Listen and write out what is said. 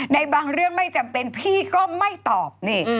ในบางเรื่องไม่จำเป็นพี่ก็ไม่ตอบนี่